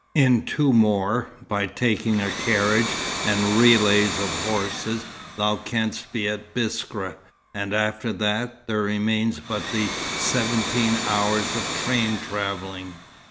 In two more, by taking a carriage and relays of horses, thou canst be at Biskra; and after that, there remains but the seventeen hours of train travelling."